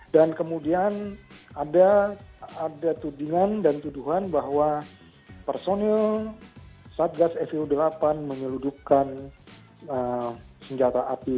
dan kemudian ada tudingan dan tuduhan bahwa personil satgas fu delapan menyeludupkan senjata api